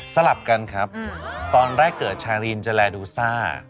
ลับกันครับตอนแรกเกิดชาลีนจะแลดูซ่า